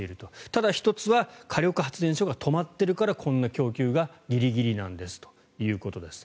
ただ１つは火力発電所が止まっているからこんな供給がギリギリなんですということです。